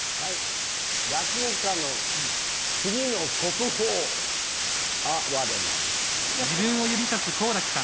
落語家の次の国宝アワレなり。